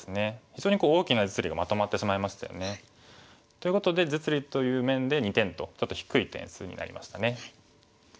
非常に大きな実利がまとまってしまいましたよね。ということで実利という面で２点とちょっと低い点数になりましたね。